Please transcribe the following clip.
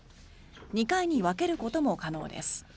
２回に分けることも可能です。